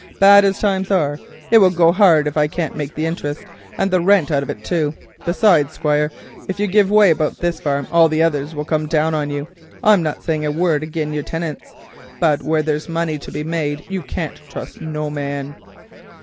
Bad as times be, it will go hard if I can't make the interest and the rent out of it too. Besides, Squire, if you give way about this here farm, all the others will come down on you. I'm not saying a word agin your tinants, but where there's money to be made you can't trust not no man."